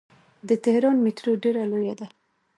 د تهران میټرو ډیره لویه ده.